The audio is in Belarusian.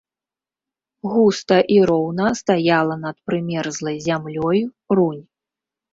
Густа і роўна стаяла над прымерзлай зямлёй рунь.